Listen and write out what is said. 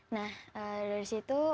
nah dari situ